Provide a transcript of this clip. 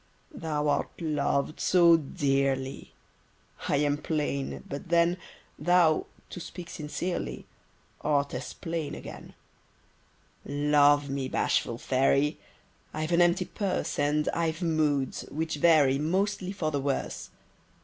Thou art loved so dearly: I am plain, but then Thou (to speak sincerely) Art as plain again. Love me, bashful fairy! I've an empty purse: And I've "moods," which vary; Mostly for the worse.